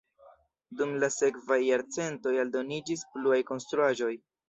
Dum la sekvaj jarcentoj aldoniĝis pluaj konstruaĵoj.